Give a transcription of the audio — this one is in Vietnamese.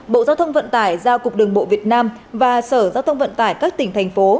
bộ giao thông vận tải giao cục đường bộ việt nam và sở giao thông vận tải các tỉnh thành phố